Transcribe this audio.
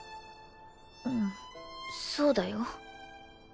うんそうだよ。